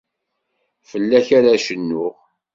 Fell-ak ara cennuɣ.